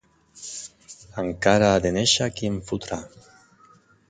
Encara ha de néixer qui em fotrà.